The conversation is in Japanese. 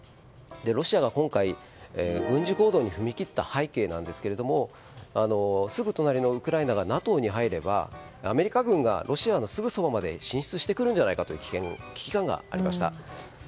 ロシアが今回軍事行動に踏み切った背景ですがすぐ隣のウクライナがＮＡＴＯに入ればアメリカ軍がロシアのすぐそばまで進出してくるんじゃないかという危機感がありました。